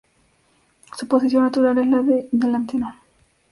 Su posición natural es la de delantero.